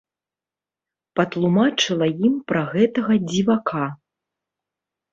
Патлумачыла ім пра гэтага дзівака.